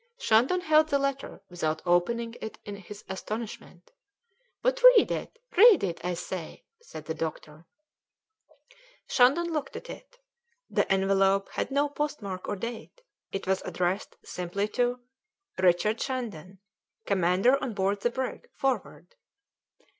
Shandon held the letter without opening it in his astonishment. "But read it, read it, I say," said the doctor. Shandon looked at it. The envelope had no postmark or date; it was addressed simply to: "RICHARD SHANDON, "Commander on board the brig "Forward."